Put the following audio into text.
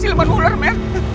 siluman huler me